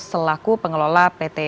selaku pengelola pt